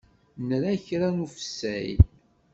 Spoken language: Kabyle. Nra kra n ufessay.